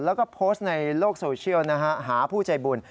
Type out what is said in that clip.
แล้วก็โพสต์ในโลกโซเชียลนะฮะหาผู้ใจบุญ